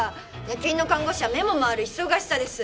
夜勤の看護師は目も回る忙しさです。